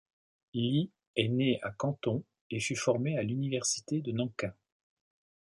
Li est né à Canton et fut formé à l’Université de Nankin.